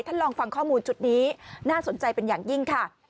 ลองฟังข้อมูลจุดนี้น่าสนใจเป็นอย่างยิ่งค่ะ